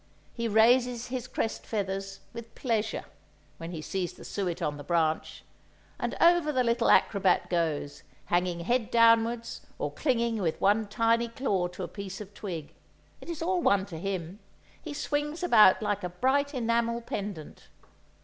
He raises his crest feathers, with pleasure, when he sees the suet on the branch; and over the little acrobat goes, hanging head downwards or clinging with one tiny claw to a piece of twig; it is all one to him, he swings about like a bright enamel pendant.